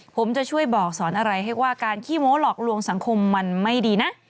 ผมจะช่วยบอกสอนอะไรให้ว่าการขี้โม้หลอกลวงสังคมมันไม่ดีนะ